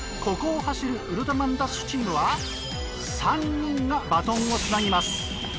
ここを走るウルトラマンＤＡＳＨチームは３人がバトンをつなぎます。